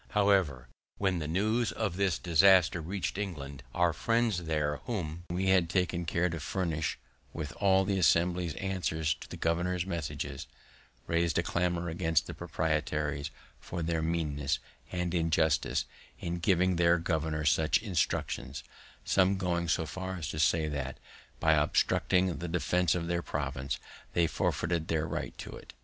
However, when the news of this disaster reached England, our friends there whom we had taken care to furnish with all the Assembly's answers to the governor's messages, rais'd a clamor against the proprietaries for their meanness and injustice in giving their governor such instructions; some going so far as to say that, by obstructing the defense of their province, they forfeited their right to it.